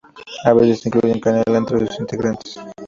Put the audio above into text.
A veces incluyen canela entre sus ingredientes.